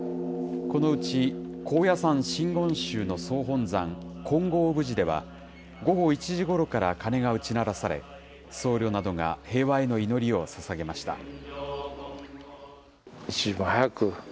このうち、高野山真言宗の総本山、金剛峯寺では午後１時ごろから鐘が打ち鳴らされ、僧侶などが平和への祈りをささげました。